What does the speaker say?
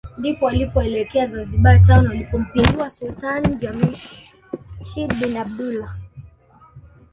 ndipo walipoelekea Zanzibar Town walipompindua Sultani Jamshid bin Abdullah